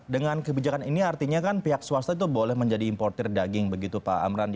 dengan kebijakan ini artinya kan pihak swasta itu boleh menjadi importer daging begitu pak amran